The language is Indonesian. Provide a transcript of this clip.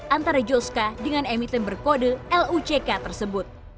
antara juska dengan emiten berkode luckk tersebut